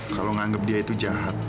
kalau menganggap dia itu jahat